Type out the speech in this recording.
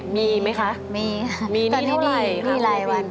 มีไหมคะมีค่ะ